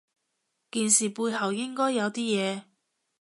件事背後應該有啲嘢